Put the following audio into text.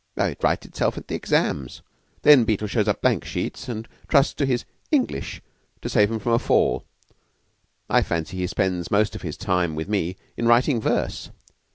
"It rights itself at the exams. Then Beetle shows up blank sheets, and trusts to his 'English' to save him from a fall. I fancy he spends most of his time with me in writing verse."